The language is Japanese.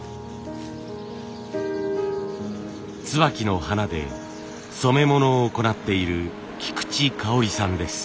椿の花で染め物を行っている菊地かをりさんです。